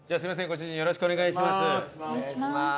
ご主人よろしくお願いします。